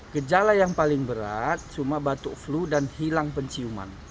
gejala yang paling berat cuma batuk flu dan hilang penciuman